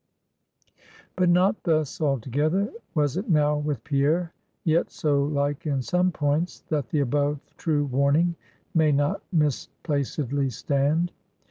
But not thus, altogether, was it now with Pierre; yet so like, in some points, that the above true warning may not misplacedly stand.